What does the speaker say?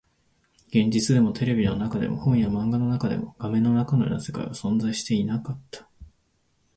現実でも、テレビの中でも、本や漫画の中でも、画面の中のような世界は存在していなかった